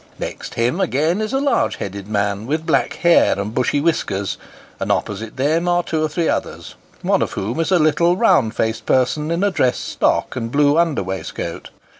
Next him, again, is a large headed man, with black hair and bushy whiskers ; and opposite them are two or three others, one of whom is a little round faced person, in a dress stock and blue under waistcoat.